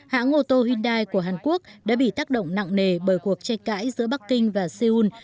hãng ô tô hyundai của hàn quốc đã bị tác động nặng nề bởi cuộc tranh cãi giữa bắc kinh và seoul